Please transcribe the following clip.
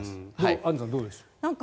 アンジュさんどうですか。